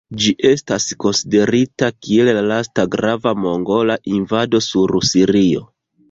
Ĝi estas konsiderita kiel la lasta grava mongola invado sur Sirio.